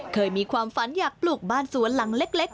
เคยมีความฝันอยากปลูกบ้านสวนหลังเล็ก